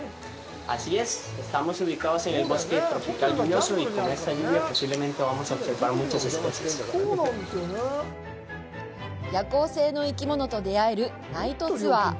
夜行性の生き物と出会えるナイトツアー。